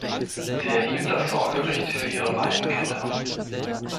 Sie erhielt das Sorgerecht für ihre beiden Kinder.